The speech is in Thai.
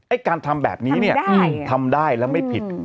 การทำแบบนี้เนี่ยทำได้แล้วไม่ผิด